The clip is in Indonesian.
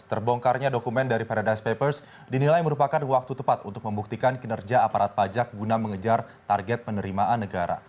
terbongkarnya dokumen dari paradise papers dinilai merupakan waktu tepat untuk membuktikan kinerja aparat pajak guna mengejar target penerimaan negara